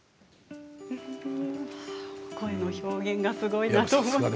声の表現がすごいなと思って。